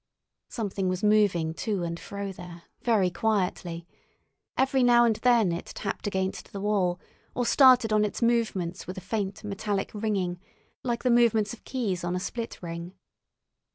Something was moving to and fro there, very quietly; every now and then it tapped against the wall, or started on its movements with a faint metallic ringing, like the movements of keys on a split ring.